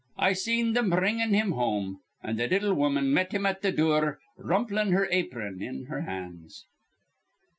I seen thim bringin' him home; an' th' little woman met him at th' dure, rumplin' her apron in her hands."